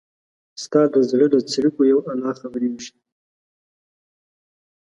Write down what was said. ستا د زړه له څړیکو یو الله خبریږي